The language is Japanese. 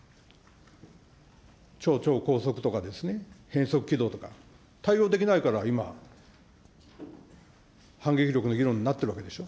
超超高速とかですね、変則軌道とか、対応できないから今、反撃力の議論になってるわけでしょ。